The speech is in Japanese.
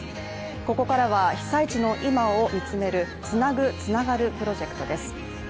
ここからは、被災地の今を見つめる「つなぐ、つながるプロジェクト」です。